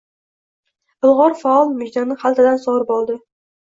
Ilg‘or faol mujdani xaltadan sug‘urib oldi.